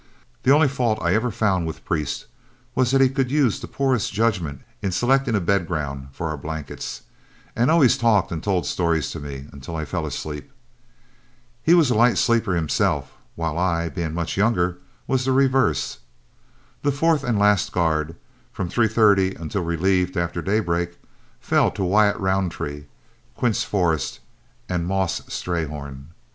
The only fault I ever found with Priest was that he could use the poorest judgment in selecting a bed ground for our blankets, and always talked and told stories to me until I fell asleep. He was a light sleeper himself, while I, being much younger, was the reverse. The fourth and last guard, from three thirty until relieved after daybreak, fell to Wyatt Roundtree, Quince Forrest, and "Moss" Strayhorn.